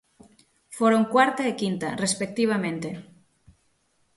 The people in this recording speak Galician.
Foron cuarta e quinta, respectivamente.